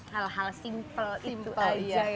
hal hal simple itu aja